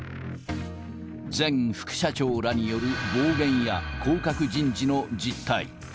前副社長らによる暴言や降格人事の実態。